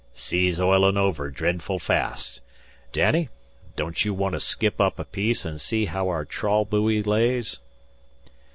"Sea's oilin' over dretful fast. Danny, don't you want to skip up a piece an' see how aour trawl buoy lays?"